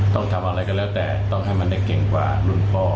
ต้องทำอะไรก็แล้วแต่ต้องให้มันได้เก่งกว่ารุ่นพ่อ